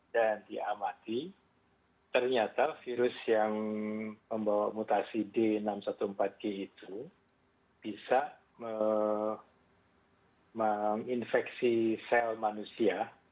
dan diamati ternyata virus yang membawa mutasi d enam ratus empat belas g itu bisa menginfeksi sel manusia